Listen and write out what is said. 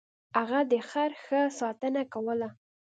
هغه د خر ښه ساتنه کوله.